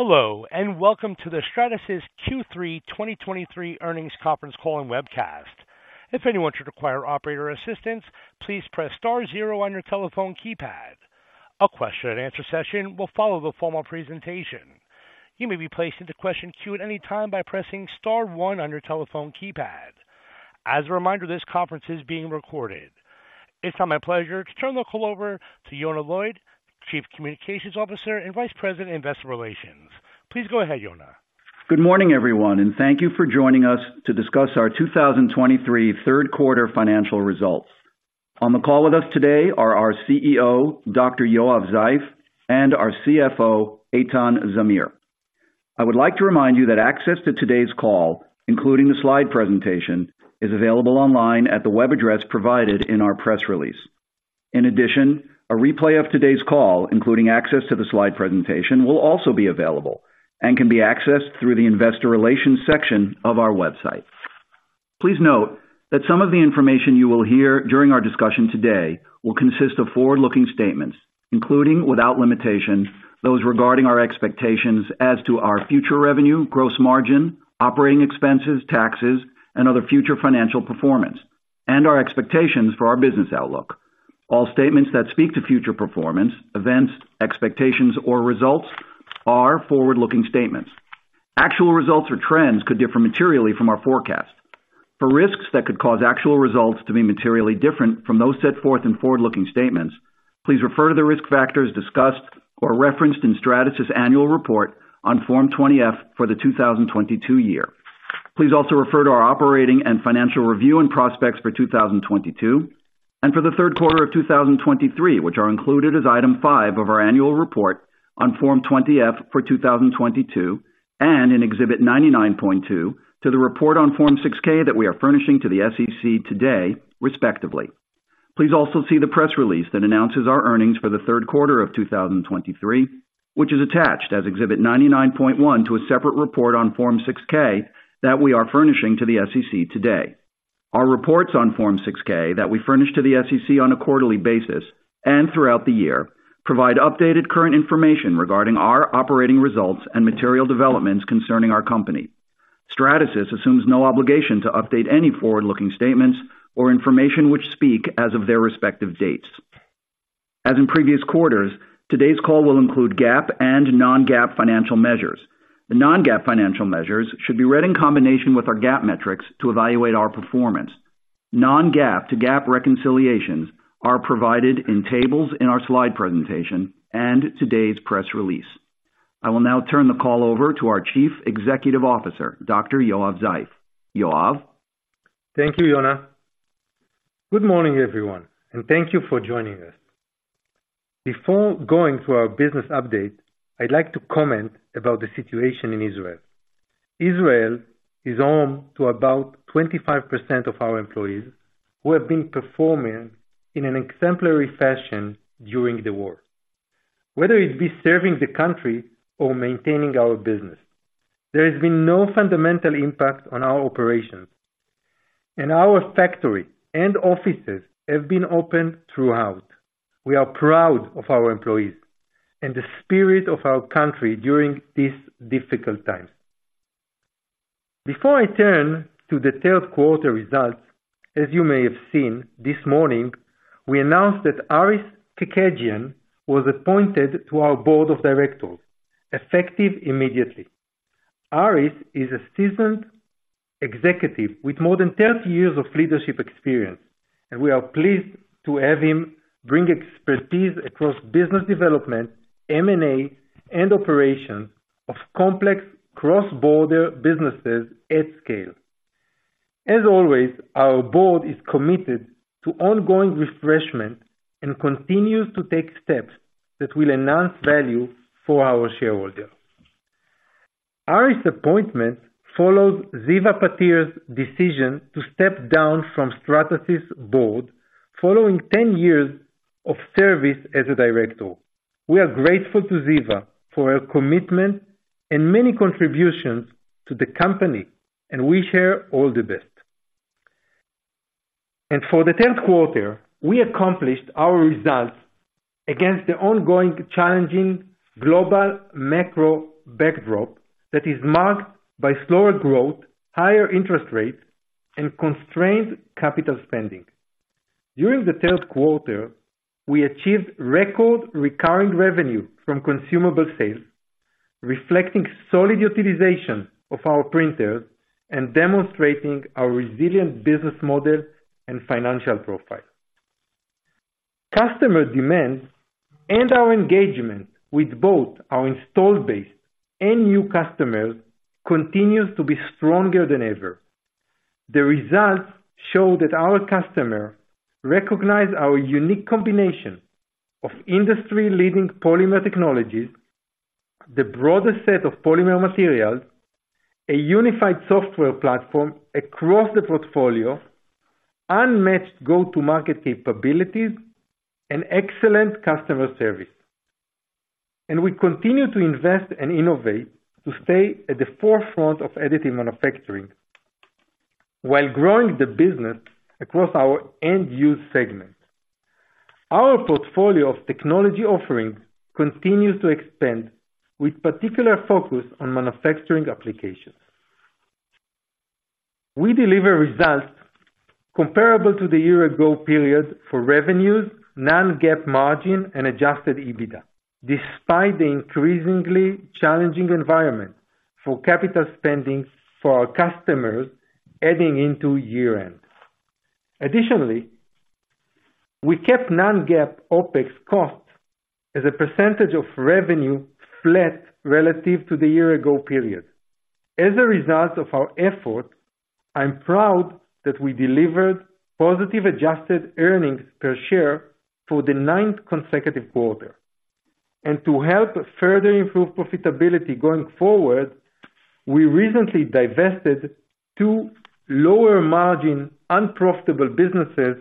Hello, and welcome to the Stratasys Q3 2023 earnings conference call and webcast. If anyone should require operator assistance, please press star zero on your telephone keypad. A question-and-answer session will follow the formal presentation. You may be placed into question queue at any time by pressing star one on your telephone keypad. As a reminder, this conference is being recorded. It's now my pleasure to turn the call over to Yonah Lloyd, Chief Communications Officer and Vice President, Investor Relations. Please go ahead, Yonah. Good morning, everyone, and thank you for joining us to discuss our 2023 third quarter financial results. On the call with us today are our CEO, Dr. Yoav Zeif, and our CFO, Eitan Zamir. I would like to remind you that access to today's call, including the slide presentation, is available online at the web address provided in our press release. In addition, a replay of today's call, including access to the slide presentation, will also be available and can be accessed through the investor relations section of our website. Please note that some of the information you will hear during our discussion today will consist of forward-looking statements, including, without limitation, those regarding our expectations as to our future revenue, gross margin, operating expenses, taxes, and other future financial performance, and our expectations for our business outlook. All statements that speak to future performance, events, expectations, or results are forward-looking statements. Actual results or trends could differ materially from our forecast. For risks that could cause actual results to be materially different from those set forth in forward-looking statements, please refer to the risk factors discussed or referenced in Stratasys annual report on Form 20-F for the 2022 year. Please also refer to our operating and financial review and prospects for 2022, and for the third quarter of 2023, which are included as Item five of our annual report on Form 20-F for 2022, and in Exhibit 99.2 to the report on Form 6-K that we are furnishing to the SEC today, respectively. Please also see the press release that announces our earnings for the third quarter of 2023, which is attached as Exhibit 99.1 to a separate report on Form 6-K that we are furnishing to the SEC today. Our reports on Form 6-K that we furnish to the SEC on a quarterly basis and throughout the year, provide updated current information regarding our operating results and material developments concerning our company. Stratasys assumes no obligation to update any forward-looking statements or information which speak as of their respective dates. As in previous quarters, today's call will include GAAP and non-GAAP financial measures. The non-GAAP financial measures should be read in combination with our GAAP metrics to evaluate our performance. Non-GAAP to GAAP reconciliations are provided in tables in our slide presentation and today's press release. I will now turn the call over to our Chief Executive Officer, Dr. Yoav Zeif. Yoav? Thank you, Yonah. Good morning, everyone, and thank you for joining us. Before going through our business update, I'd like to comment about the situation in Israel. Israel is home to about 25% of our employees, who have been performing in an exemplary fashion during the war. Whether it be serving the country or maintaining our business, there has been no fundamental impact on our operations, and our factory and offices have been open throughout. We are proud of our employees and the spirit of our country during this difficult time. Before I turn to the third quarter results, as you may have seen this morning, we announced that Aris Kekedjian was appointed to our board of directors, effective immediately. Aris is a seasoned executive with more than 30 years of leadership experience, and we are pleased to have him bring expertise across business development, M&A, and operation of complex cross-border businesses at scale. As always, our board is committed to ongoing refreshment and continues to take steps that will enhance value for our shareholders. Aris' appointment follows Ziva Patir's decision to step down from Stratasys Board following 10 years of service as a director. We are grateful to Ziva for her commitment and many contributions to the company, and we wish her all the best. For the third quarter, we accomplished our results against the ongoing challenging global macro backdrop that is marked by slower growth, higher interest rates, and constrained capital spending. During the third quarter, we achieved record recurring revenue from consumable sales, reflecting solid utilization of our printers and demonstrating our resilient business model and financial profile. Customer demands and our engagement with both our installed base and new customers continues to be stronger than ever. The results show that our customer recognize our unique combination of industry-leading polymer technologies, the broadest set of polymer materials, a unified software platform across the portfolio, unmatched go-to-market capabilities, and excellent customer service. And we continue to invest and innovate to stay at the forefront of additive manufacturing... while growing the business across our end use segment. Our portfolio of technology offerings continues to expand, with particular focus on manufacturing applications. We deliver results comparable to the year-ago period for revenues, Non-GAAP margin, and Adjusted EBITDA, despite the increasingly challenging environment for capital spendings for our customers heading into year-end. Additionally, we kept non-GAAP OpEx costs as a percentage of revenue flat relative to the year ago period. As a result of our effort, I'm proud that we delivered positive adjusted earnings per share for the ninth consecutive quarter. To help further improve profitability going forward, we recently divested two lower margin, unprofitable businesses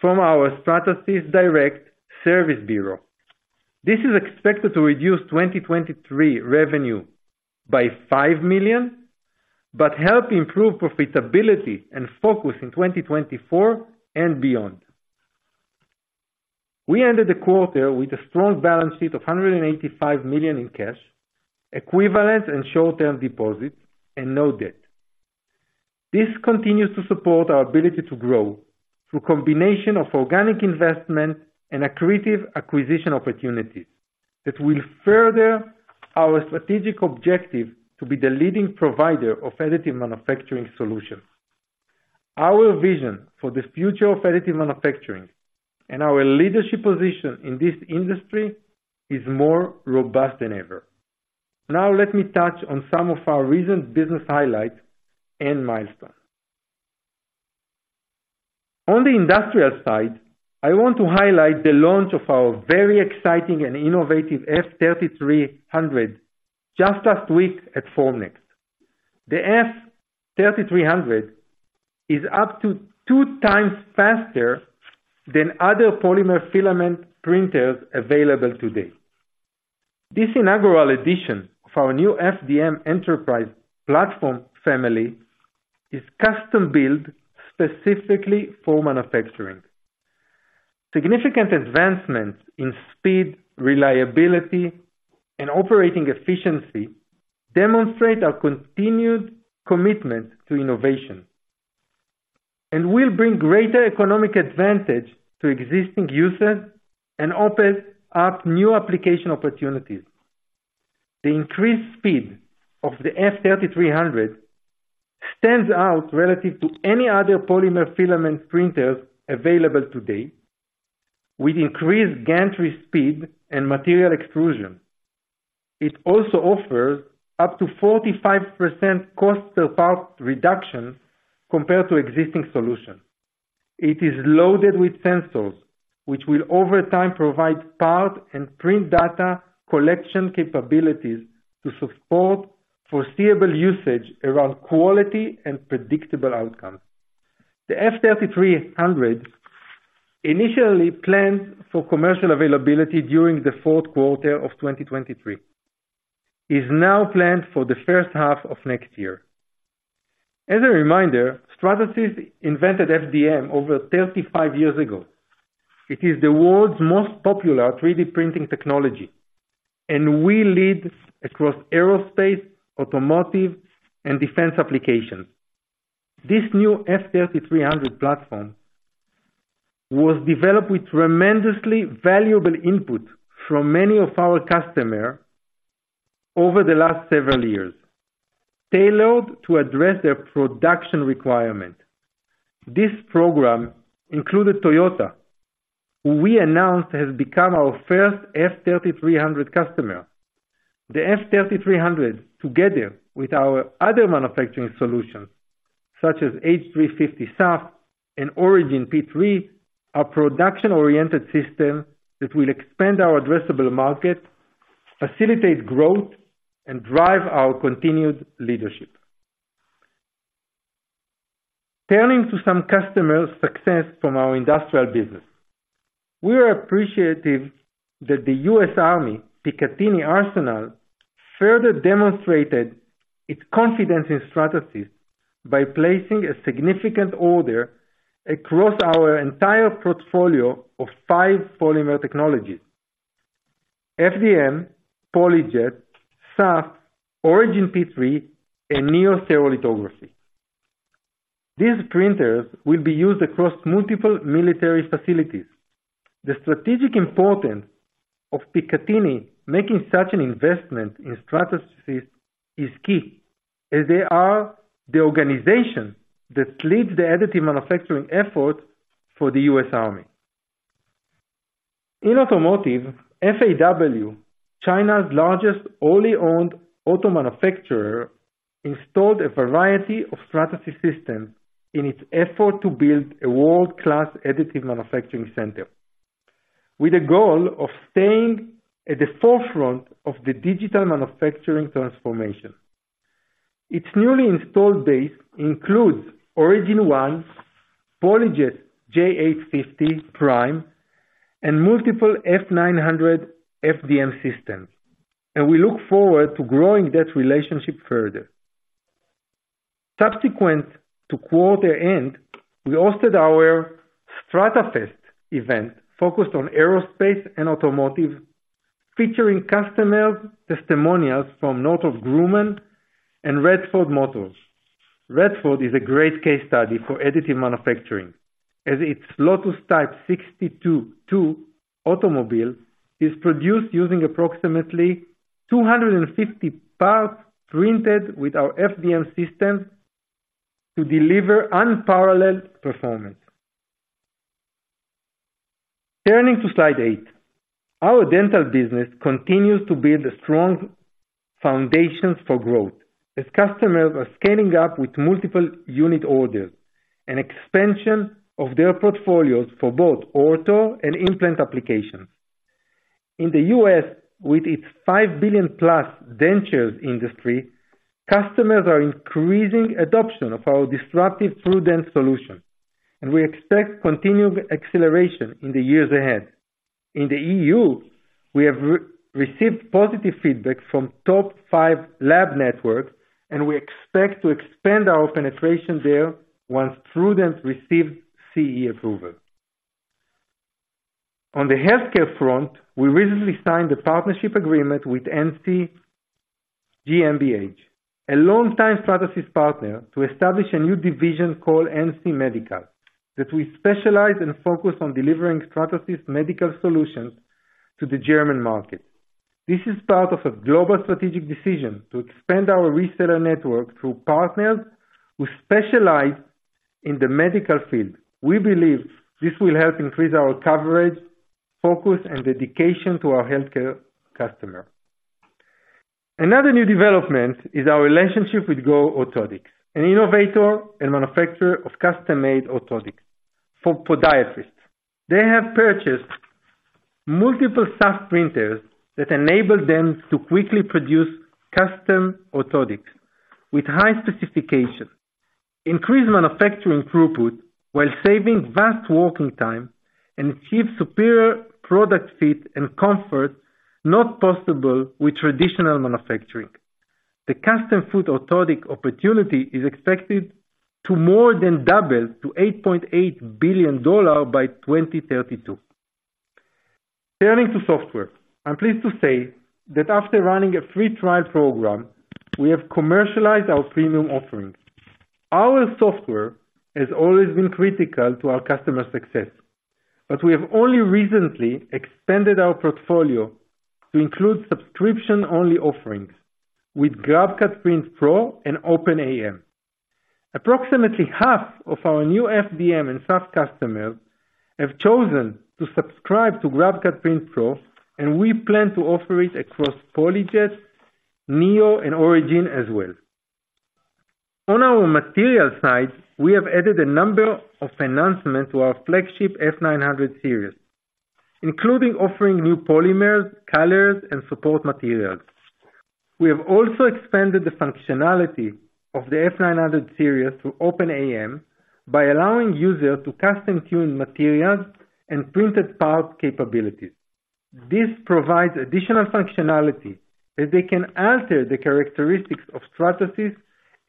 from our Stratasys Direct service bureau. This is expected to reduce 2023 revenue by $5 million, but help improve profitability and focus in 2024 and beyond. We ended the quarter with a strong balance sheet of $185 million in cash, equivalents, and short-term deposits, and no debt. This continues to support our ability to grow through combination of organic investment and accretive acquisition opportunities that will further our strategic objective to be the leading provider of additive manufacturing solutions. Our vision for the future of additive manufacturing and our leadership position in this industry is more robust than ever. Now, let me touch on some of our recent business highlights and milestones. On the industrial side, I want to highlight the launch of our very exciting and innovative F3300 just last week at Formnext. The F3300 is up to two times faster than other polymer filament printers available today. This inaugural edition of our new FDM enterprise platform family is custom-built specifically for manufacturing. Significant advancements in speed, reliability, and operating efficiency demonstrate our continued commitment to innovation, and will bring greater economic advantage to existing users and open up new application opportunities. The increased speed of the F3300 stands out relative to any other polymer filament printers available today, with increased gantry speed and material extrusion. It also offers up to 45% cost per part reduction compared to existing solutions. It is loaded with sensors, which will, over time, provide part and print data collection capabilities to support foreseeable usage around quality and predictable outcomes. The F3300, initially planned for commercial availability during the fourth quarter of 2023, is now planned for the first half of next year. As a reminder, Stratasys invented FDM over 35 years ago. It is the world's most popular 3D printing technology, and we lead across aerospace, automotive, and defense applications. This new F3300 platform was developed with tremendously valuable input from many of our customer over the last several years, tailored to address their production requirement. This program included Toyota, who we announced, has become our first F3300 customer. The F3300, together with our other manufacturing solutions, such as H350 SAF and Origin P3, are production-oriented system that will expand our addressable market, facilitate growth, and drive our continued leadership. Turning to some customer success from our industrial business. We are appreciative that the U.S. Army Picatinny Arsenal further demonstrated its confidence in Stratasys by placing a significant order across our entire portfolio of five polymer technologies: FDM, PolyJet, SAF, Origin P3, and Neo stereolithography. These printers will be used across multiple military facilities. The strategic importance of Picatinny making such an investment in Stratasys is key, as they are the organization that leads the additive manufacturing effort for the U.S. Army. In automotive, FAW, China's largest, wholly-owned auto manufacturer, installed a variety of Stratasys systems in its effort to build a world-class additive manufacturing center, with a goal of staying at the forefront of the digital manufacturing transformation. Its newly installed base includes Origin One, PolyJet J850 Prime and multiple F900 FDM systems, and we look forward to growing that relationship further. Subsequent to quarter end, we hosted our Stratafest event, focused on aerospace and automotive, featuring customer testimonials from Northrop Grumman and Radford Motors. Radford is a great case study for additive manufacturing, as its Lotus Type 62-2 automobile is produced using approximately 250 parts printed with our FDM systems to deliver unparalleled performance. Turning to slide eight. Our dental business continues to build a strong foundations for growth, as customers are scaling up with multiple unit orders and expansion of their portfolios for both ortho and implant applications. In the U.S., with its $5 billion+ dentures industry, customers are increasing adoption of our disruptive TrueDent solution, and we expect continued acceleration in the years ahead. In the E.U., we have received positive feedback from top five lab networks, and we expect to expand our penetration there once TrueDent receives CE approval. On the healthcare front, we recently signed a partnership agreement with m.c. GmbH, a long-time Stratasys partner, to establish a new division called m.c. Medical, that will specialize and focus on delivering Stratasys medical solutions to the German market. This is part of a global strategic decision to expand our reseller network through partners who specialize in the medical field. We believe this will help increase our coverage, focus, and dedication to our healthcare customer. Another new development is our relationship with Go Orthotics, an innovator and manufacturer of custom-made orthotics for podiatrists. They have purchased multiple SAF printers that enable them to quickly produce custom orthotics with high specifications, increase manufacturing throughput while saving vast working time, and achieve superior product fit and comfort not possible with traditional manufacturing. The custom foot orthotic opportunity is expected to more than double to $8.8 billion by 2032. Turning to software. I'm pleased to say that after running a free trial program, we have commercialized our premium offerings. Our software has always been critical to our customer success, but we have only recently expanded our portfolio to include subscription-only offerings with GrabCAD Print Pro and OpenAM. Approximately half of our new FDM and SAF customers have chosen to subscribe to GrabCAD Print Pro, and we plan to offer it across PolyJet, Neo, and Origin as well. On our materials side, we have added a number of enhancements to our flagship F900 series, including offering new polymers, colors, and support materials. We have also expanded the functionality of the F900 series to OpenAM by allowing users to custom-tune materials and printed part capabilities. This provides additional functionality, as they can alter the characteristics of Stratasys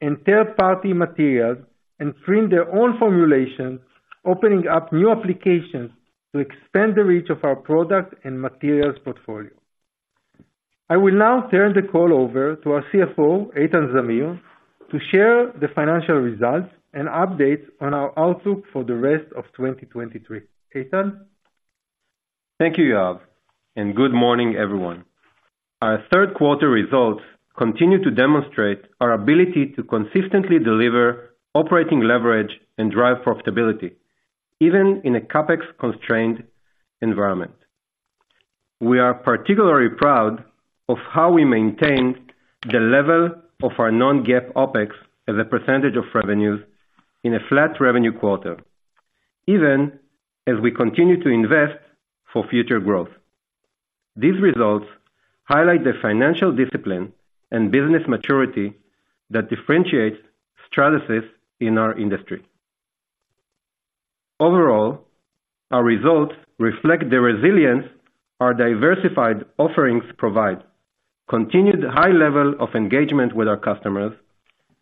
and third-party materials and print their own formulations, opening up new applications to expand the reach of our product and materials portfolio. I will now turn the call over to our CFO, Eitan Zamir, to share the financial results and updates on our outlook for the rest of 2023. Eitan? Thank you, Yoav, and good morning, everyone. Our third quarter results continue to demonstrate our ability to consistently deliver operating leverage and drive profitability, even in a CapEx-constrained environment. We are particularly proud of how we maintained the level of our non-GAAP OpEx as a percentage of revenues in a flat revenue quarter, even as we continue to invest for future growth. These results highlight the financial discipline and business maturity that differentiates Stratasys in our industry. Overall, our results reflect the resilience our diversified offerings provide, continued high level of engagement with our customers,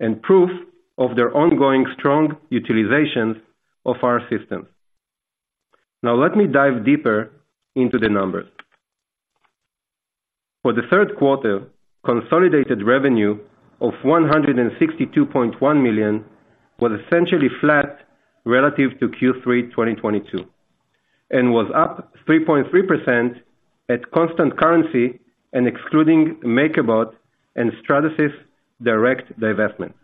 and proof of their ongoing strong utilizations of our systems. Now, let me dive deeper into the numbers. For the third quarter, consolidated revenue of $162.1 million was essentially flat relative to Q3 2022, and was up 3.3% at constant currency and excluding MakerBot and Stratasys Direct divestment.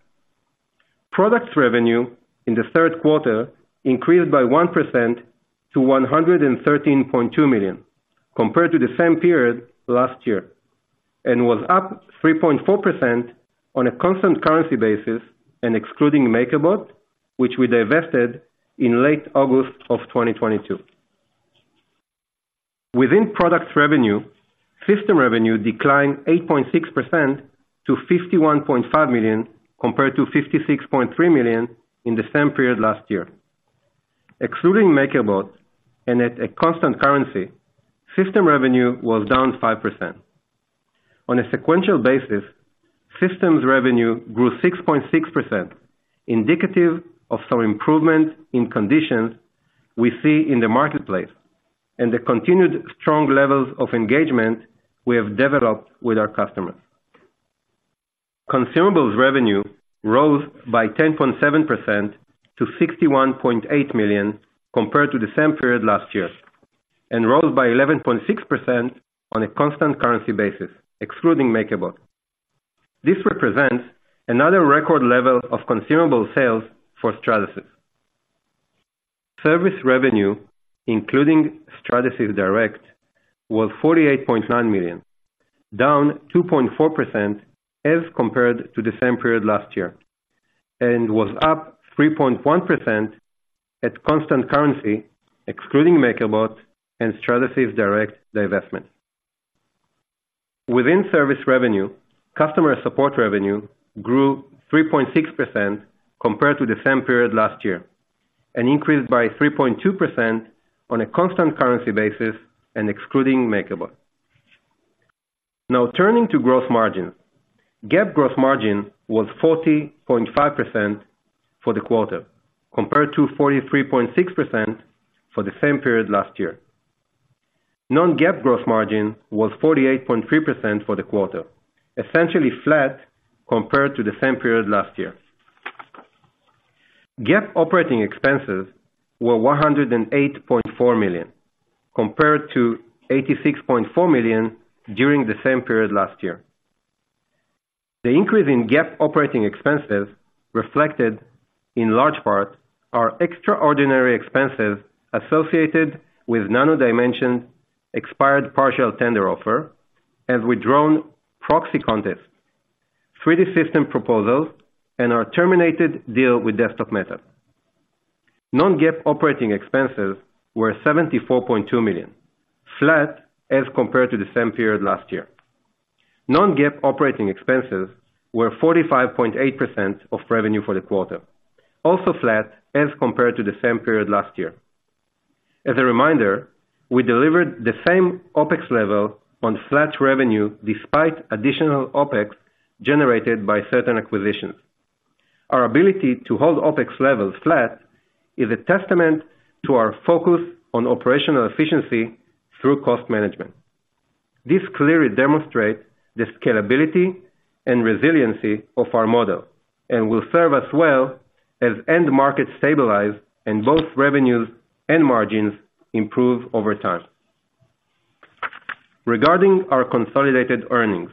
Products revenue in the third quarter increased by 1% to $113.2 million, compared to the same period last year, and was up 3.4% on a constant currency basis and excluding MakerBot, which we divested in late August 2022. Within products revenue-... System revenue declined 8.6% to $51.5 million, compared to $56.3 million in the same period last year. Excluding MakerBot and at a constant currency, system revenue was down 5%. On a sequential basis, systems revenue grew 6.6%, indicative of some improvement in conditions we see in the marketplace, and the continued strong levels of engagement we have developed with our customers. Consumables revenue rose by 10.7% to $61.8 million, compared to the same period last year, and rose by 11.6% on a constant currency basis, excluding MakerBot. This represents another record level of consumable sales for Stratasys. Service revenue, including Stratasys Direct, was $48.9 million, down 2.4% as compared to the same period last year, and was up 3.1% at constant currency, excluding MakerBot and Stratasys Direct divestment. Within service revenue, customer support revenue grew 3.6% compared to the same period last year, and increased by 3.2% on a constant currency basis and excluding MakerBot. Now turning to gross margin. GAAP gross margin was 40.5% for the quarter, compared to 43.6% for the same period last year. Non-GAAP gross margin was 48.3% for the quarter, essentially flat compared to the same period last year. GAAP operating expenses were $108.4 million, compared to $86.4 million during the same period last year. The increase in GAAP operating expenses reflected, in large part, our extraordinary expenses associated with Nano Dimension's expired partial tender offer, its withdrawn proxy contest, 3D Systems proposals, and our terminated deal with Desktop Metal. Non-GAAP operating expenses were $74.2 million, flat as compared to the same period last year. Non-GAAP operating expenses were 45.8% of revenue for the quarter, also flat as compared to the same period last year. As a reminder, we delivered the same OpEx level on flat revenue, despite additional OpEx generated by certain acquisitions. Our ability to hold OpEx levels flat is a testament to our focus on operational efficiency through cost management. This clearly demonstrates the scalability and resiliency of our model and will serve us well as end markets stabilize and both revenues and margins improve over time. Regarding our consolidated earnings,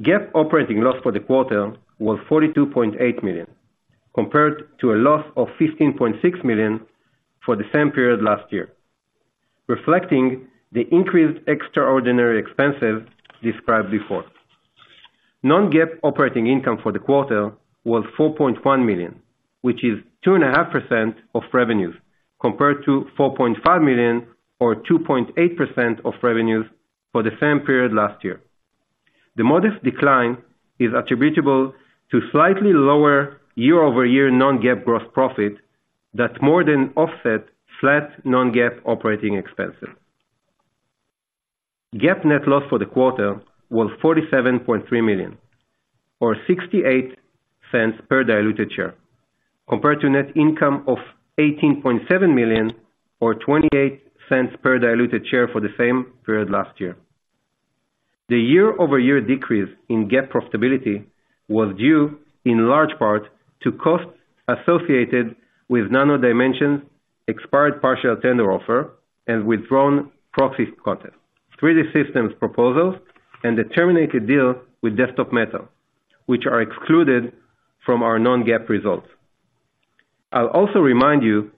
GAAP operating loss for the quarter was $42.8 million, compared to a loss of $15.6 million for the same period last year, reflecting the increased extraordinary expenses described before. Non-GAAP operating income for the quarter was $4.1 million, which is 2.5% of revenues, compared to $4.5 million or 2.8% of revenues for the same period last year. The modest decline is attributable to slightly lower year-over-year non-GAAP gross profit that more than offset flat non-GAAP operating expenses. GAAP net loss for the quarter was $47.3 million or $0.68 per diluted share, compared to net income of $18.7 million or $0.28 per diluted share for the same period last year. The year-over-year decrease in GAAP profitability was due in large part to costs associated with Nano Dimension, expired partial tender offer and withdrawn proxy contest, 3D Systems proposals, and the terminated deal with Desktop Metal, which are excluded from our non-GAAP results. I'll also remind you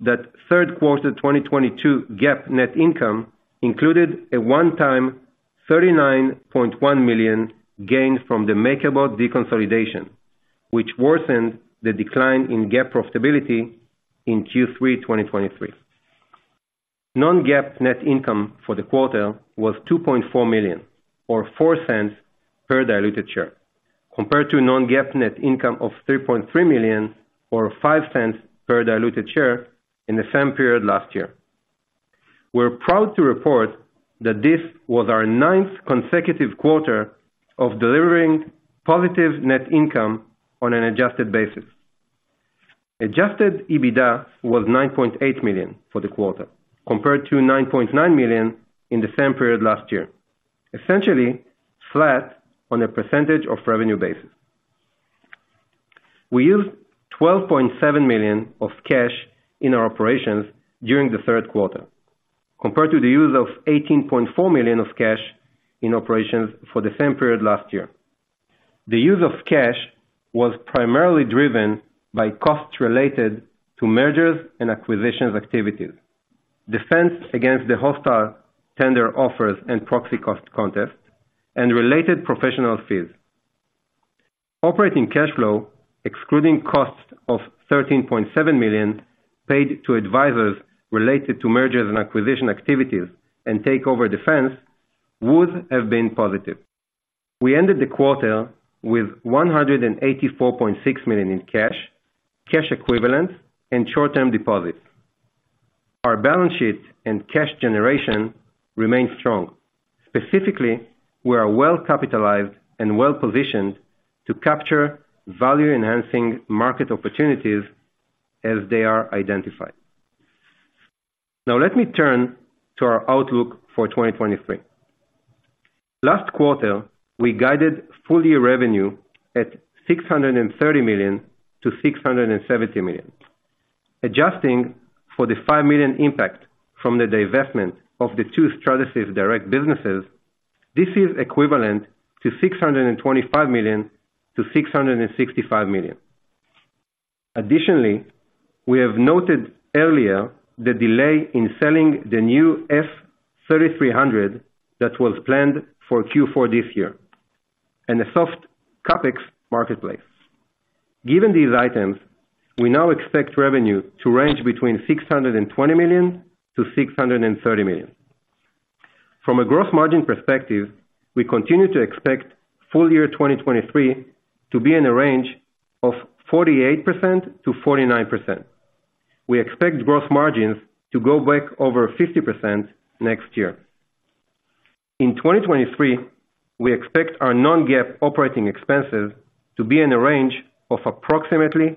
that third quarter 2022 GAAP net income included a one-time $39.1 million gain from the MakerBot deconsolidation, which worsened the decline in GAAP profitability in Q3 2023. Non-GAAP net income for the quarter was $2.4 million, or $0.04 per diluted share, compared to non-GAAP net income of $3.3 million or $0.05 per diluted share in the same period last year. We're proud to report that this was our ninth consecutive quarter of delivering positive net income on an adjusted basis. Adjusted EBITDA was $9.8 million for the quarter, compared to $9.9 million in the same period last year, essentially flat on a percentage of revenue basis. We used $12.7 million of cash in our operations during the third quarter, compared to the use of $18.4 million of cash in operations for the same period last year. The use of cash was primarily driven by costs related to mergers and acquisitions activities, defense against the hostile tender offers and proxy contests, and related professional fees. Operating cash flow, excluding costs of $13.7 million, paid to advisors related to mergers and acquisition activities and takeover defense, would have been positive. We ended the quarter with $184.6 million in cash, cash equivalents, and short-term deposits. Our balance sheet and cash generation remains strong. Specifically, we are well capitalized and well-positioned to capture value-enhancing market opportunities as they are identified. Now, let me turn to our outlook for 2023. Last quarter, we guided full-year revenue at $630 million-$670 million. Adjusting for the $5 million impact from the divestment of the two Stratasys Direct businesses, this is equivalent to $625 million-$665 million. Additionally, we have noted earlier the delay in selling the new F3300 that was planned for Q4 this year, and a soft CapEx marketplace. Given these items, we now expect revenue to range between $620 million-$630 million. From a gross margin perspective, we continue to expect full year 2023 to be in a range of 48%-49%. We expect gross margins to go back over 50% next year. In 2023, we expect our non-GAAP operating expenses to be in a range of approximately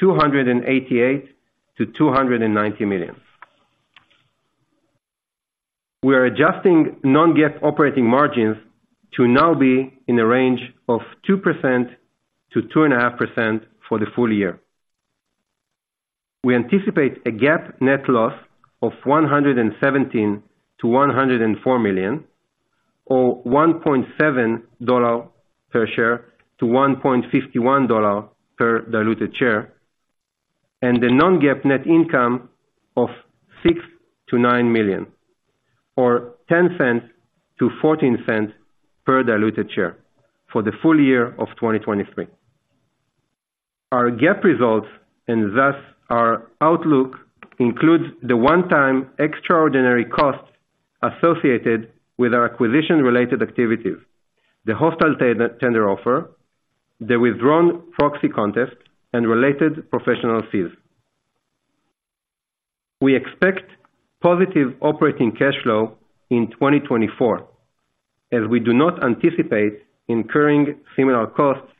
$288 million-$290 million. We are adjusting non-GAAP operating margins to now be in a range of 2%-2.5% for the full year. We anticipate a GAAP net loss of $117 million-$104 million, or $1.70 per share to $1.51 per diluted share, and the non-GAAP net income of $6 million-$9 million or $0.10-$0.14 per diluted share for the full year of 2023. Our GAAP results, and thus our outlook, includes the one-time extraordinary costs associated with our acquisition-related activities, the hostile tender offer, the withdrawn proxy contest, and related professional fees. We expect positive operating cash flow in 2024, as we do not anticipate incurring similar costs,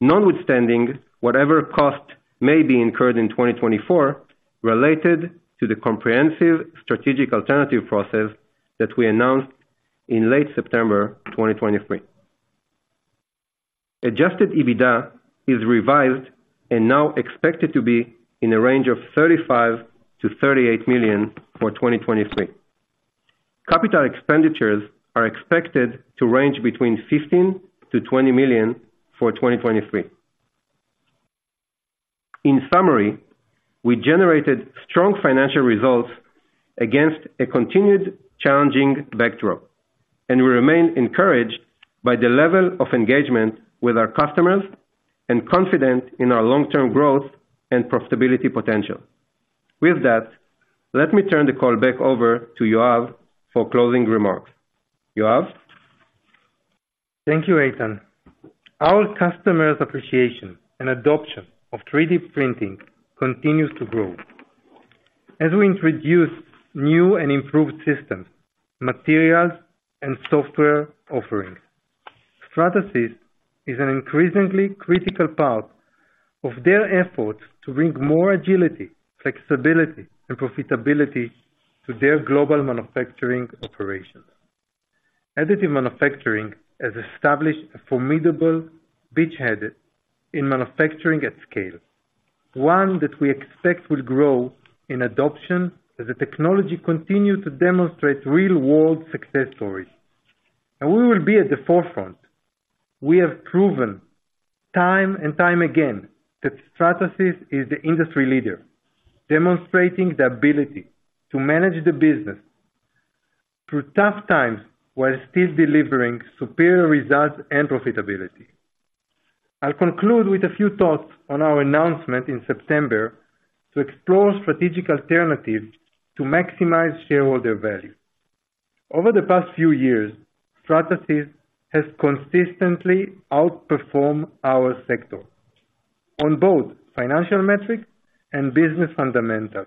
notwithstanding whatever costs may be incurred in 2024, related to the comprehensive strategic alternative process that we announced in late September 2023. Adjusted EBITDA is revised and now expected to be in a range of $35 million-$38 million for 2023. Capital expenditures are expected to range between $15 million-$20 million for 2023. In summary, we generated strong financial results against a continued challenging backdrop, and we remain encouraged by the level of engagement with our customers and confident in our long-term growth and profitability potential. With that, let me turn the call back over to Yoav for closing remarks. Yoav? Thank you, Eitan. Our customers' appreciation and adoption of 3D printing continues to grow. As we introduce new and improved systems, materials, and software offerings, Stratasys is an increasingly critical part of their efforts to bring more agility, flexibility, and profitability to their global manufacturing operations. Additive manufacturing has established a formidable beachhead in manufacturing at scale, one that we expect will grow in adoption as the technology continue to demonstrate real-world success stories, and we will be at the forefront. We have proven time and time again that Stratasys is the industry leader, demonstrating the ability to manage the business through tough times while still delivering superior results and profitability. I'll conclude with a few thoughts on our announcement in September to explore strategic alternatives to maximize shareholder value. Over the past few years, Stratasys has consistently outperformed our sector on both financial metrics and business fundamentals.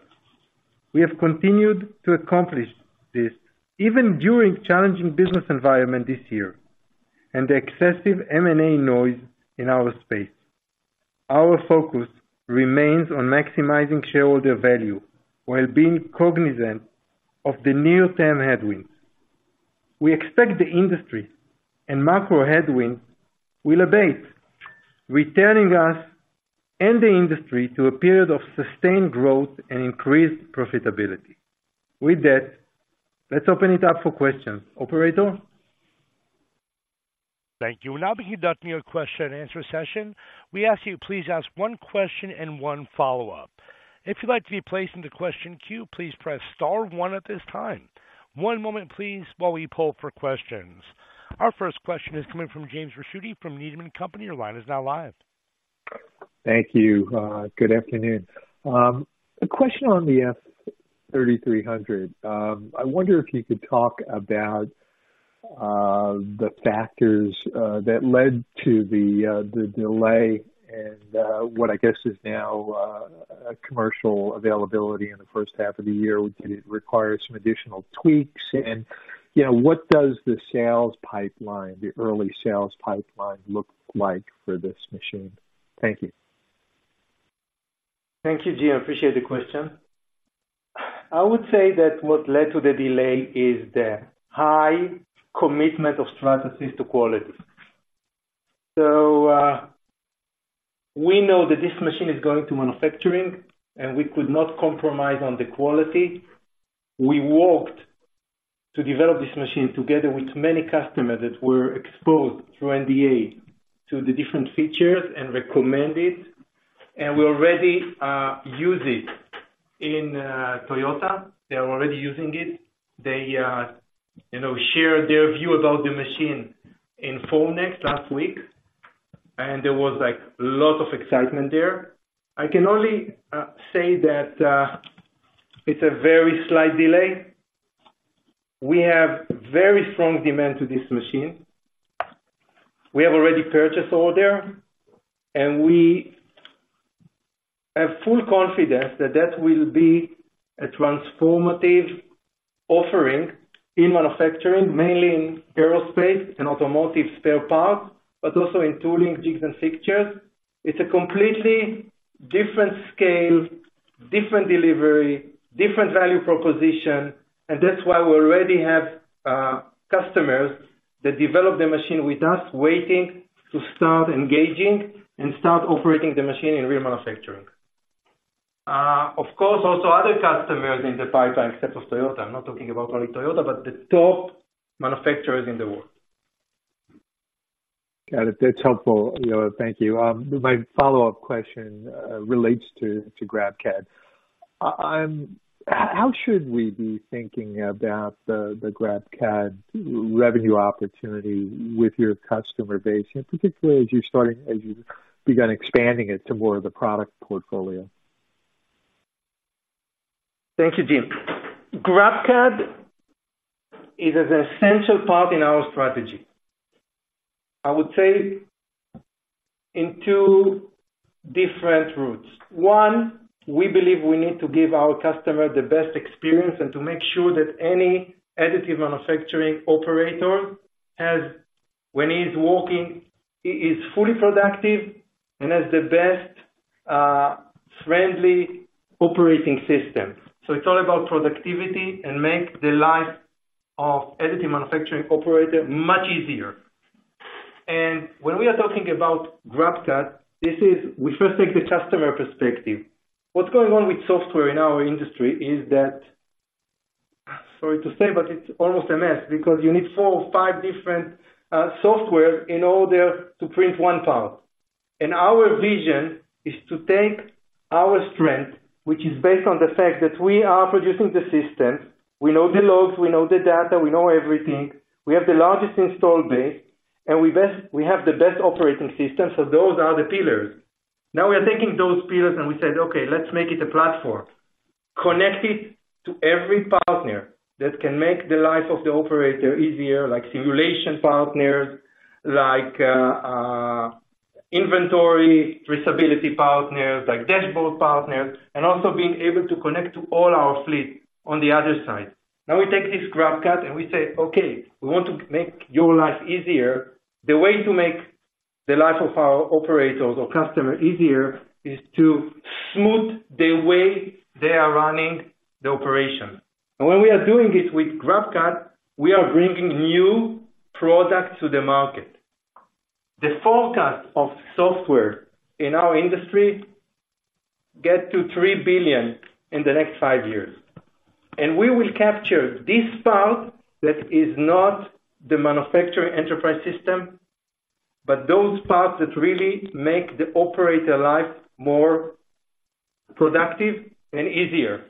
We have continued to accomplish this even during challenging business environment this year and the excessive M&A noise in our space. Our focus remains on maximizing shareholder value while being cognizant of the near-term headwinds. We expect the industry and macro headwinds will abate, returning us and the industry to a period of sustained growth and increased profitability. With that, let's open it up for questions. Operator? Thank you. We'll now be conducting a question and answer session. We ask you please ask one question and one follow-up... If you'd like to be placed into question queue, please press star one at this time. One moment, please, while we poll for questions. Our first question is coming from James Ricchiuti from Needham & Company. Your line is now live. Thank you. Good afternoon. A question on the F3300. I wonder if you could talk about the factors that led to the delay and what I guess is now a commercial availability in the first half of the year. Did it require some additional tweaks? And, you know, what does the sales pipeline, the early sales pipeline look like for this machine? Thank you. Thank you, Jim. I appreciate the question. I would say that what led to the delay is the high commitment of Stratasys to quality. So, we know that this machine is going to manufacturing, and we could not compromise on the quality. We worked to develop this machine together with many customers that were exposed through NDA to the different features and recommend it, and we already use it in Toyota. They are already using it. They, you know, share their view about the machine in Formnext last week, and there was, like, a lot of excitement there. I can only say that it's a very slight delay. We have very strong demand to this machine. We have already purchase order, and we have full confidence that that will be a transformative offering in manufacturing, mainly in aerospace and automotive spare parts, but also in tooling, jigs and fixtures. It's a completely different scale, different delivery, different value proposition, and that's why we already have customers that develop the machine with us, waiting to start engaging and start operating the machine in real manufacturing. Of course, also other customers in the pipeline, except for Toyota. I'm not talking about only Toyota, but the top manufacturers in the world. Got it. That's helpful, Yoav. Thank you. My follow-up question relates to GrabCAD. How should we be thinking about the GrabCAD revenue opportunity with your customer base, and particularly as you're starting, as you begin expanding it to more of the product portfolio? Thank you, James. GrabCAD is an essential part in our strategy, I would say in two different routes. One, we believe we need to give our customer the best experience and to make sure that any additive manufacturing operator has, when he's working, he is fully productive and has the best, friendly operating system. So it's all about productivity and make the life of additive manufacturing operator much easier. And when we are talking about GrabCAD, this is, we first take the customer perspective. What's going on with software in our industry is that, sorry to say, but it's almost a mess, because you need four or five different software in order to print one part. And our vision is to take our strength, which is based on the fact that we are producing the systems, we know the logs, we know the data, we know everything. We have the largest install base, and we have the best operating system. So those are the pillars. Now we are taking those pillars, and we said, "Okay, let's make it a platform." Connect it to every partner that can make the life of the operator easier, like simulation partners, like, inventory traceability partners, like dashboard partners, and also being able to connect to all our fleet on the other side. Now, we take this GrabCAD and we say, "Okay, we want to make your life easier." The way to make the life of our operators or customers easier is to smooth the way they are running the operation. And when we are doing it with GrabCAD, we are bringing new products to the market. The forecast of software in our industry get to $3 billion in the next five years, and we will capture this part that is not the manufacturing enterprise system, but those parts that really make the operator life more productive and easier.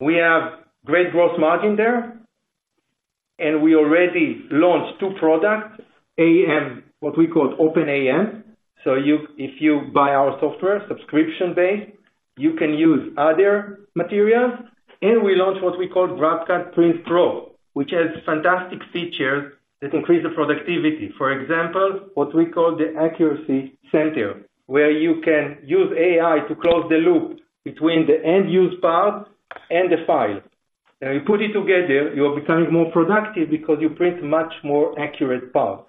We have great growth margin there, and we already launched two products, OpenAM, what we call OpenAM. So you, if you buy our software, subscription-based, you can use other materials, and we launch what we call GrabCAD Print Pro, which has fantastic features that increase the productivity. For example, what we call the accuracy center, where you can use AI to close the loop between the end-use part and the file. And you put it together, you are becoming more productive because you print much more accurate parts.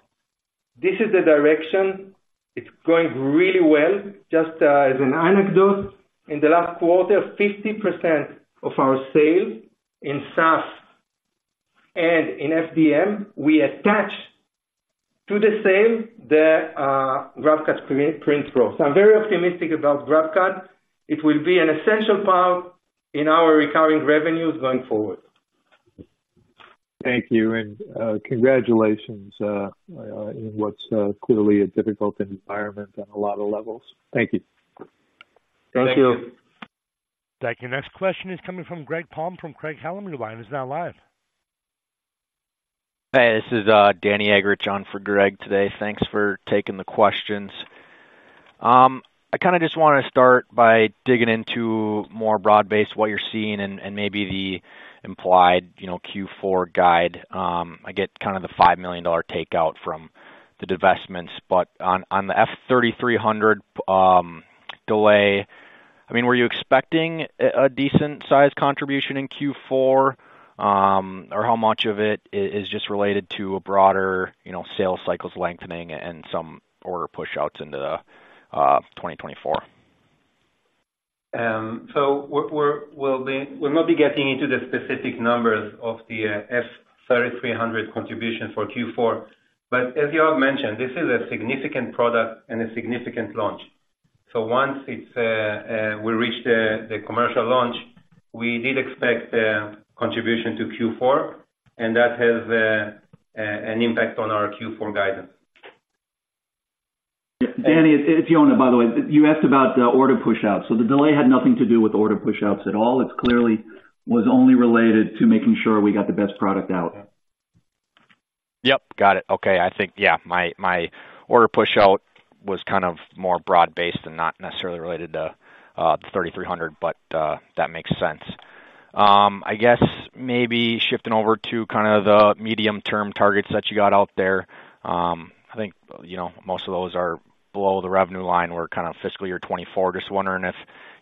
This is the direction. It's going really well. Just, as an anecdote, in the last quarter, 50% of our sales in SaaS and in FDM, we attach to the sale, the GrabCAD Print Pro. So I'm very optimistic about GrabCAD. It will be an essential part in our recurring revenues going forward.... Thank you, and congratulations in what's clearly a difficult environment on a lot of levels. Thank you. Thank you. Thank you. Next question is coming from Greg Palm, from Craig-Hallum. Line is now live. Hey, this is Danny Eggerichs, on for Greg today. Thanks for taking the questions. I kind of just want to start by digging into more broad-based, what you're seeing and, and maybe the implied, you know, Q4 guide. I get kind of the $5 million takeout from the divestments, but on, on the F3300, delay, I mean, were you expecting a, a decent size contribution in Q4? Or how much of it is, is just related to a broader, you know, sales cycles lengthening and some order pushouts into the, 2024? So we're not getting into the specific numbers of the F3300 contribution for Q4. But as you have mentioned, this is a significant product and a significant launch. So once we reach the commercial launch, we did expect a contribution to Q4, and that has an impact on our Q4 guidance. Danny, it's Yonah, by the way. You asked about the order pushouts. So the delay had nothing to do with order pushouts at all. It clearly was only related to making sure we got the best product out. Yep, got it. Okay. I think, yeah, my order pushout was kind of more broad-based and not necessarily related to the F3300, but that makes sense. I guess maybe shifting over to kind of the medium-term targets that you got out there. I think, you know, most of those are below the revenue line or kind of fiscal year 2024. Just wondering if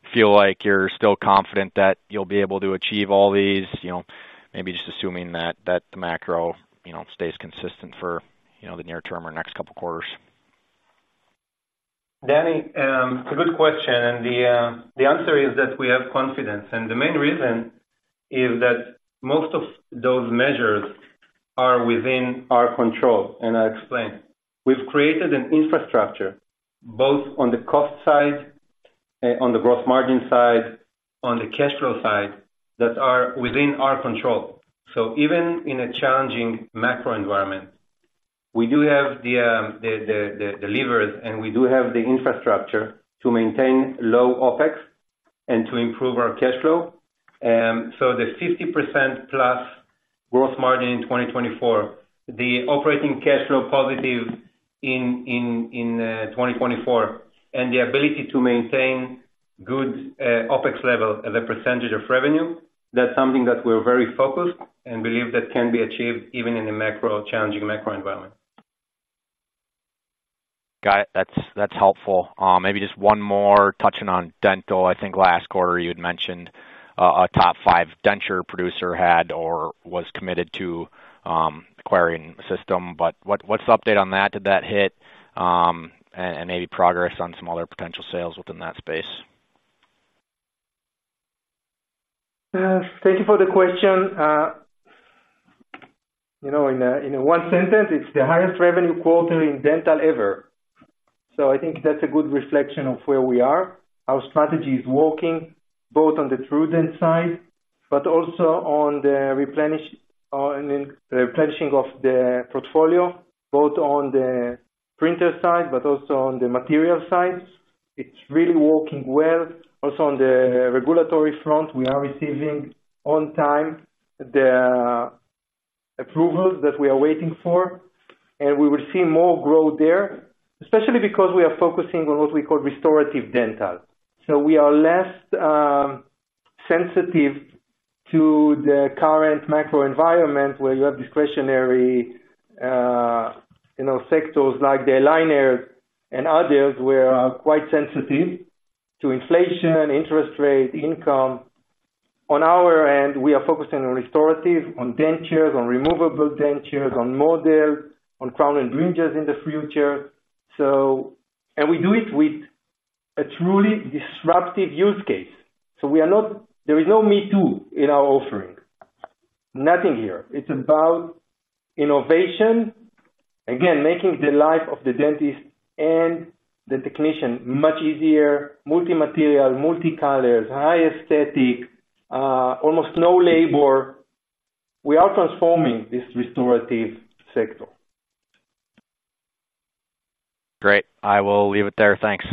you feel like you're still confident that you'll be able to achieve all these, you know, maybe just assuming that the macro, you know, stays consistent for the near term or next couple of quarters. Danny, it's a good question, and the answer is that we have confidence. And the main reason is that most of those measures are within our control, and I explain. We've created an infrastructure, both on the cost side, on the gross margin side, on the cash flow side, that are within our control. So even in a challenging macro environment, we do have the levers, and we do have the infrastructure to maintain low OpEx and to improve our cash flow. So the 50%+ gross margin in 2024, the operating cash flow positive in 2024, and the ability to maintain good OpEx level as a percentage of revenue, that's something that we're very focused and believe that can be achieved even in a challenging macro environment. Got it. That's helpful. Maybe just one more touching on dental. I think last quarter you had mentioned a top five denture producer had or was committed to acquiring a system, but what's the update on that? Did that hit? And maybe progress on some other potential sales within that space. Thank you for the question. You know, in one sentence, it's the highest revenue quarter in dental ever. So I think that's a good reflection of where we are. Our strategy is working both on the TrueDent side, but also on the replenishing of the portfolio, both on the printer side, but also on the material side. It's really working well. Also, on the regulatory front, we are receiving on time the approvals that we are waiting for, and we will see more growth there, especially because we are focusing on what we call restorative dental. So we are less sensitive to the current macro environment, where you have discretionary, you know, sectors like the aligners and others, where are quite sensitive to inflation, interest rate, income. On our end, we are focusing on restorative, on dentures, on removable dentures, on models, on crown and bridges in the future. So and we do it with a truly disruptive use case. So we are not—there is no me too in our offering. Nothing here. It's about innovation, again, making the life of the dentist and the technician much easier, multi-material, multi-colors, high aesthetic, almost no labor. We are transforming this restorative sector. Great! I will leave it there. Thanks.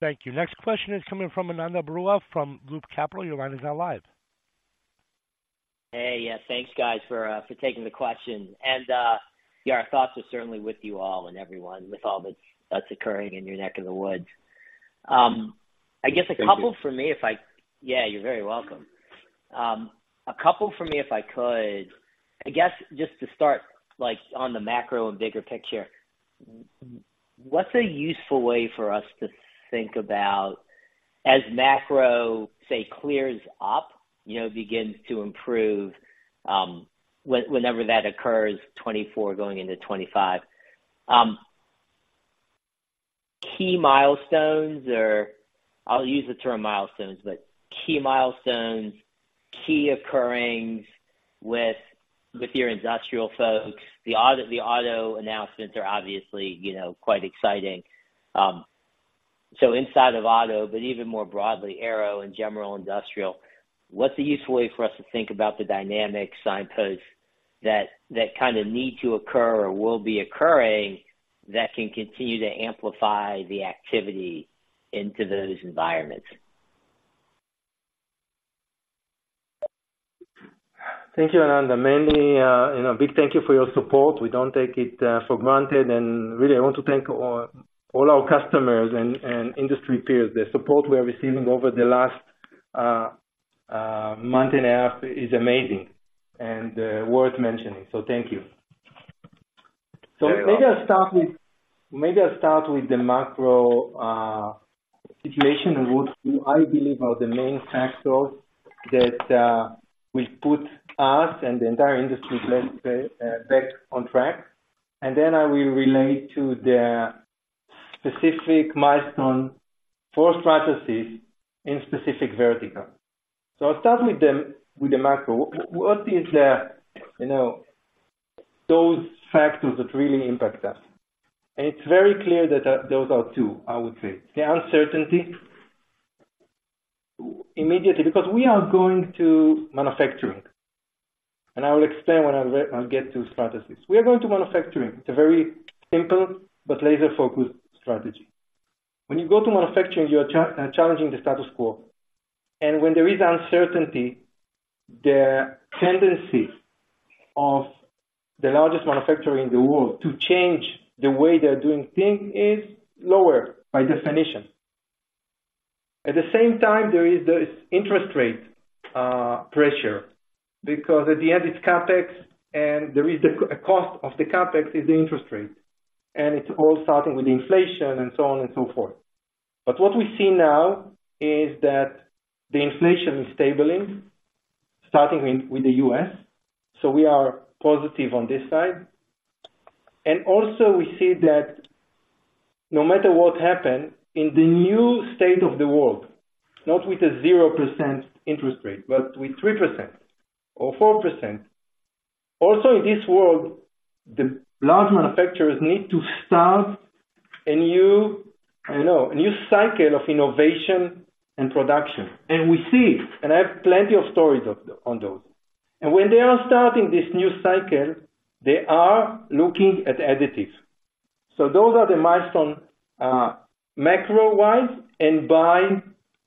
Thank you. Next question is coming from Ananda Baruah, from Loop Capital. Your line is now live. Hey, yeah, thanks, guys, for taking the question. Yeah, our thoughts are certainly with you all and everyone with all that's occurring in your neck of the woods. I guess a couple for me, if I- Thank you. Yeah, you're very welcome. A couple for me, if I could. I guess just to start, like, on the macro and bigger picture, what's a useful way for us to think about as macro, say, clears up, you know, begins to improve, whenever that occurs, 2024 going into 2025, key milestones or I'll use the term milestones, but key milestones, key occurring with, with your industrial folks. The auto announcements are obviously, you know, quite exciting. So inside of auto, but even more broadly, aero and general industrial, what's a useful way for us to think about the dynamic signposts that, that kind of need to occur or will be occurring that can continue to amplify the activity into those environments? Thank you, Ananda. Many, you know, big thank you for your support. We don't take it for granted, and really, I want to thank all our customers and industry peers. The support we are receiving over the last month and a half is amazing and worth mentioning. So thank you. So maybe I'll start with the macro situation, and what I believe are the main factors that will put us and the entire industry back on track. And then I will relate to the specific milestone for Stratasys in specific vertical. So I'll start with the macro. What is the, you know, those factors that really impact us? And it's very clear that those are two, I would say. The uncertainty immediately, because we are going to manufacturing, and I will explain when I'll get to Stratasys. We are going to manufacturing. It's a very simple but laser-focused strategy. When you go to manufacturing, you are challenging the status quo, and when there is uncertainty, the tendency of the largest manufacturer in the world to change the way they're doing things is lower by definition. At the same time, there is this interest rate pressure, because at the end, it's CapEx, and there is the cost of the CapEx is the interest rate, and it's all starting with inflation and so on and so forth. But what we see now is that the inflation is stabilizing, starting with the U.S., so we are positive on this side. Also we see that no matter what happen in the new state of the world, not with a 0% interest rate, but with 3% or 4%. Also, in this world, the large manufacturers need to start a new, I know, a new cycle of innovation and production. And we see it, and I have plenty of stories of those, on those. And when they are starting this new cycle, they are looking at additives. So those are the milestone, macro-wise and by,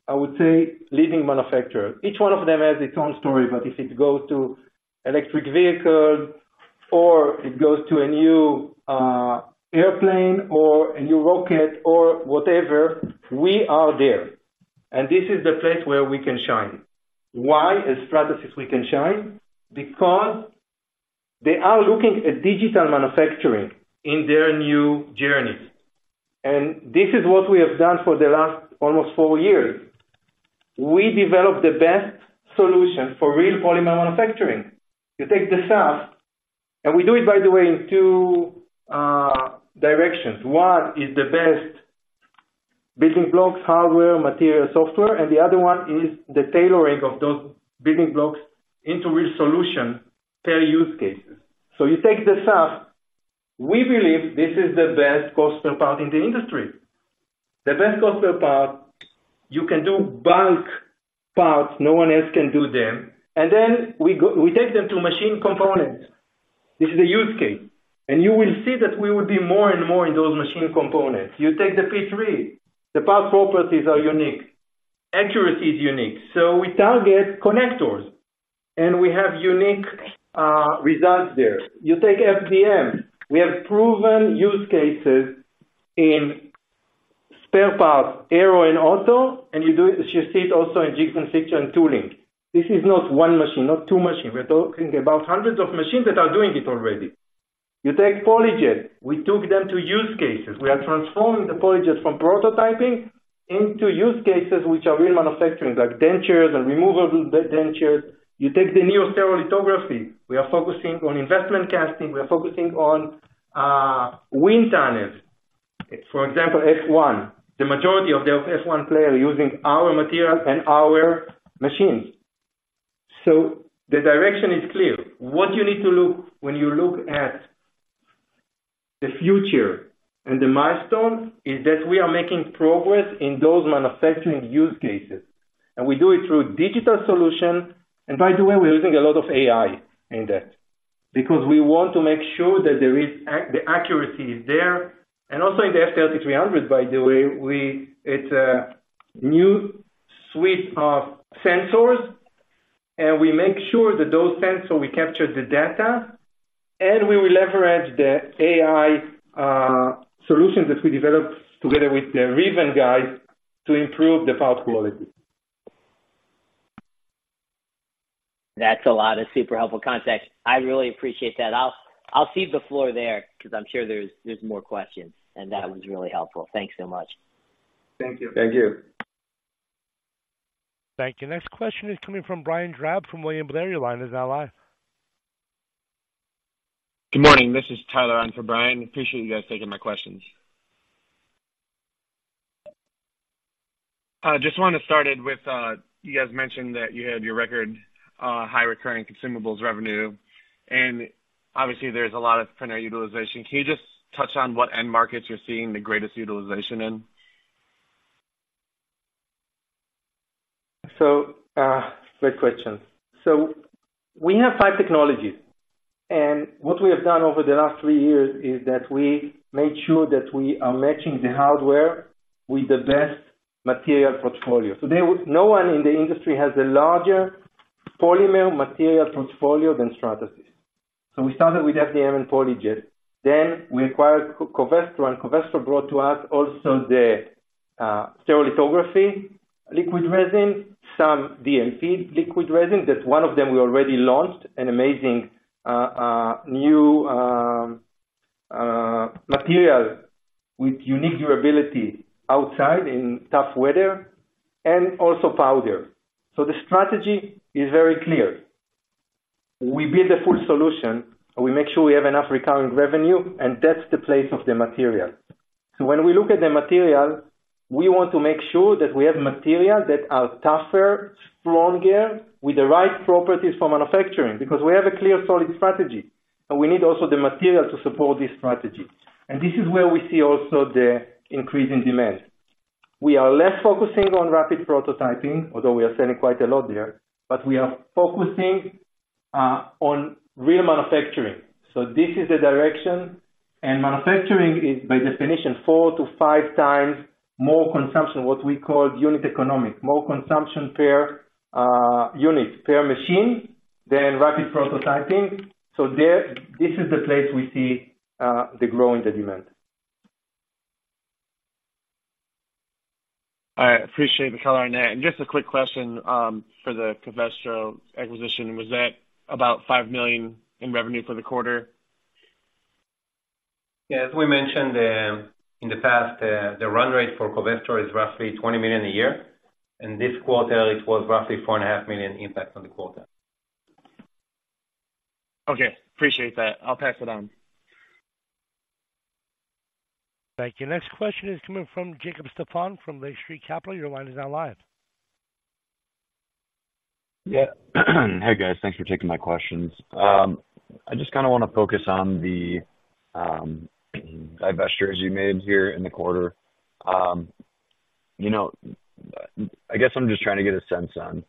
I would say, leading manufacturer. Each one of them has its own story, but if it goes to electric vehicle or it goes to a new, airplane or a new rocket or whatever, we are there. And this is the place where we can shine. Why as Stratasys we can shine? Because they are looking at digital manufacturing in their new journey. And this is what we have done for the last almost four years. We developed the best solution for real polymer manufacturing. You take the SAF, and we do it, by the way, in two directions. One is the best building blocks, hardware, material, software, and the other one is the tailoring of those building blocks into real solution per use cases. So you take the SAF, we believe this is the best cost per part in the industry. The best cost per part, you can do bulk parts, no one else can do them, and then we take them to machine components. This is a use case, and you will see that we will be more and more in those machine components. You take the P3, the part properties are unique, accuracy is unique, so we target connectors, and we have unique results there. You take FDM, we have proven use cases in spare parts, aero and auto, and you do it- you see it also in jig and fixture and tooling. This is not one machine, not two machine. We're talking about hundreds of machines that are doing it already. You take PolyJet, we took them to use cases. We are transforming the PolyJet from prototyping into use cases, which are real manufacturing, like dentures and removable dentures. You take the new stereolithography, we are focusing on investment casting, we are focusing on, wind tunnels. For example, F1, the majority of the F1 player are using our materials and our machines. So the direction is clear. What you need to look when you look at the future and the milestones, is that we are making progress in those manufacturing use cases, and we do it through digital solution. By the way, we're using a lot of AI in that, because we want to make sure that the accuracy is there. Also in the F3300, by the way, it's a new suite of sensors, and we make sure that those sensors will capture the data, and we will leverage the AI solutions that we developed together with the Riven guys to improve the part quality. That's a lot of super helpful context. I really appreciate that. I'll, I'll cede the floor there because I'm sure there's, there's more questions, and that was really helpful. Thanks so much. Thank you. Thank you. Thank you. Next question is coming from Brian Drab from William Blair. Your line is now live. Good morning. This is Tyler on for Brian. Appreciate you guys taking my questions. I just want to start it with, you guys mentioned that you had your record high recurring consumables revenue, and obviously there's a lot of printer utilization. Can you just touch on what end markets you're seeing the greatest utilization in? So, great question. So we have five technologies, and what we have done over the last three years is that we made sure that we are matching the hardware with the best material portfolio. So there, no one in the industry has a larger polymer material portfolio than Stratasys. So we started with FDM and PolyJet. Then we acquired Covestro, and Covestro brought to us also the stereolithography, liquid resin, some DMP liquid resin. That one of them we already launched, an amazing new material with unique durability outside in tough weather and also powder. So the strategy is very clear. We build a full solution, and we make sure we have enough recurring revenue, and that's the place of the material. So when we look at the material, we want to make sure that we have materials that are tougher, stronger, with the right properties for manufacturing, because we have a clear, solid strategy, and we need also the material to support this strategy. And this is where we see also the increase in demand. We are less focusing on rapid prototyping, although we are selling quite a lot there, but we are focusing on real manufacturing. So this is the direction, and manufacturing is, by definition, 4-5 times more consumption, what we call unit economics. More consumption per unit, per machine than rapid prototyping. So there, this is the place we see the growth in the demand. I appreciate the color on that. Just a quick question, for the Covestro acquisition, was that about $5 million in revenue for the quarter? Yeah, as we mentioned, in the past, the run rate for Covestro is roughly $20 million a year, and this quarter, it was roughly $4.5 million impact on the quarter. Okay, appreciate that. I'll pass it on. Thank you. Next question is coming from Jacob Stephan from Lake Street Capital. Your line is now live. Yeah. Hey, guys, thanks for taking my questions. I just kinda want to focus on the divestitures you made here in the quarter. You know, I guess I'm just trying to get a sense on,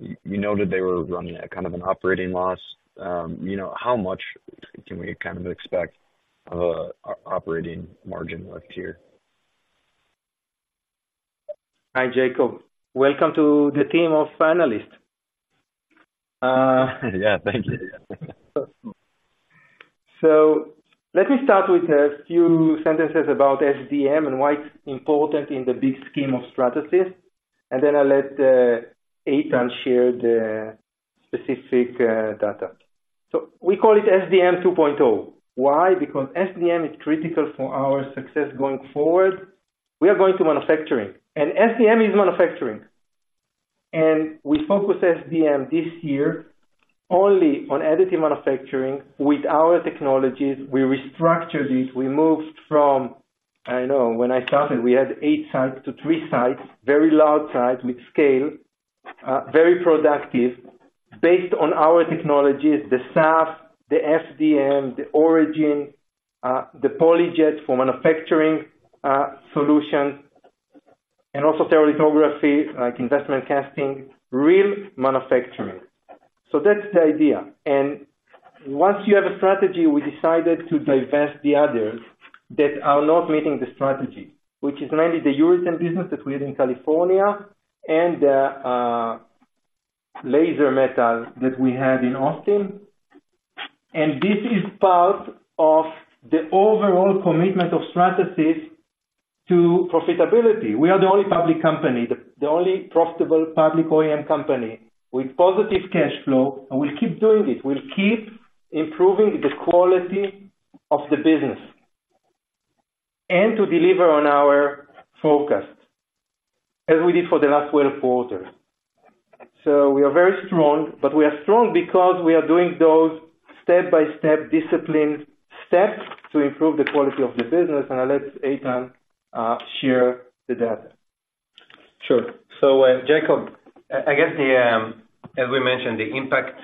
you noted they were running at kind of an operating loss, you know, how much can we kind of expect of operating margin left here? Hi, Jacob. Welcome to the team of analysts. Yeah. Thank you. So let me start with a few sentences about SDM and why it's important in the big scheme of Stratasys, and then I'll let Eitan share the specific data. So we call it SDM 2.0. Why? Because SDM is critical for our success going forward. We are going to manufacturing, and SDM is manufacturing. And we focus SDM this year only on additive manufacturing with our technologies. We restructured it. We moved from... I know, when I started, we had eight sites to three sites, very large sites with scale, very productive, based on our technologies, the SAF, the SDM, the Origin, the PolyJet for manufacturing solution, and also Stereolithography, like investment casting, real manufacturing. So that's the idea. Once you have a strategy, we decided to divest the others that are not meeting the strategy, which is mainly the urethane business that we had in California and the laser metal that we had in Austin. This is part of the overall commitment of Stratasys to profitability. We are the only public company, the only profitable public OEM company with positive cash flow, and we keep doing it. We'll keep improving the quality of the business and to deliver on our forecast as we did for the last 12 quarters. So we are very strong, but we are strong because we are doing those step-by-step disciplined steps to improve the quality of the business. I let Eitan share the data. Sure. So, Jacob, I guess the, as we mentioned, the impact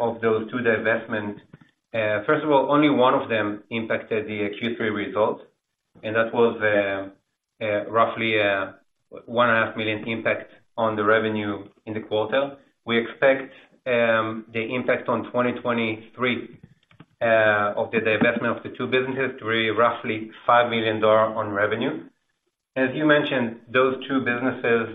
of those two divestment, first of all, only one of them impacted the Q3 result, and that was, roughly, $1.5 million impact on the revenue in the quarter. We expect, the impact on 2023, of the divestment of the two businesses to be roughly $5 million on revenue. As you mentioned, those two businesses,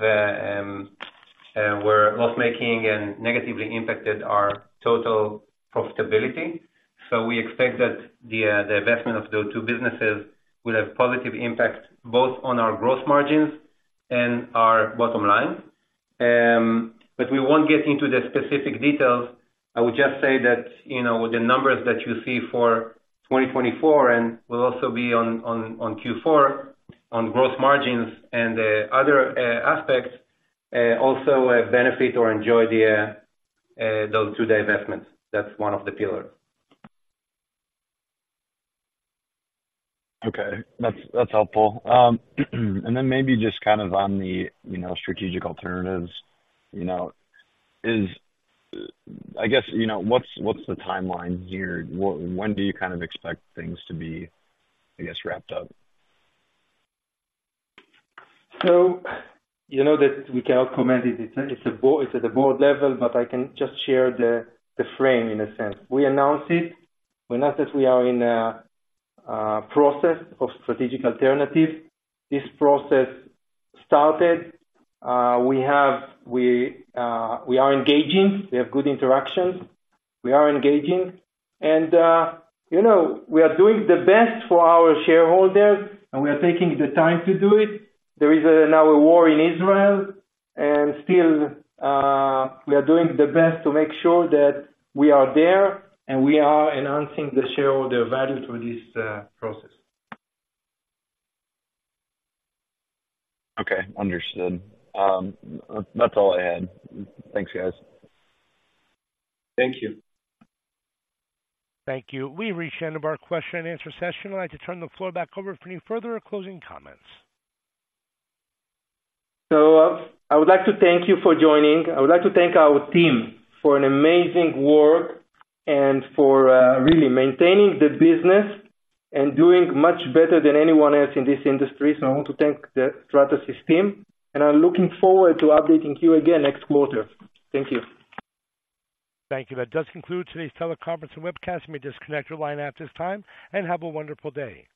were loss-making and negatively impacted our total profitability. So we expect that the, the investment of those two businesses will have positive impact both on our gross margins and our bottom line. But we won't get into the specific details. I would just say that, you know, the numbers that you see for 2024 and will also be on Q4, on gross margins and the other aspects also benefit or enjoy those two divestments. That's one of the pillars. Okay. That's, that's helpful. And then maybe just kind of on the, you know, strategic alternatives, you know, is, I guess, you know, what's, what's the timeline here? When do you kind of expect things to be, I guess, wrapped up? So you know that we cannot comment it. It's at, it's at the board level, but I can just share the, the frame in a sense. We announced it. We announced that we are in a process of strategic alternatives. This process started. We are engaging. We have good interactions. We are engaging and, you know, we are doing the best for our shareholders, and we are taking the time to do it. There is now a war in Israel, and still, we are doing the best to make sure that we are there, and we are enhancing the shareholder value through this process. Okay, understood. That's all I had. Thanks, guys. Thank you. Thank you. We've reached the end of our question and answer session. I'd like to turn the floor back over for any further closing comments. So I would like to thank you for joining. I would like to thank our team for an amazing work and for really maintaining the business and doing much better than anyone else in this industry. So I want to thank the Stratasys team, and I'm looking forward to updating you again next quarter. Thank you. Thank you. That does conclude today's teleconference and webcast. You may disconnect your line at this time, and have a wonderful day.